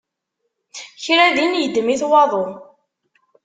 Kra din yeddem-it waḍu.